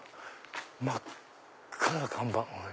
真っ赤な看板。